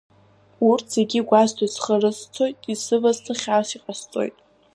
Урҭ зегь гәасҭоит, схы рызцоит, исывсыз хьаас иҟасҵоит.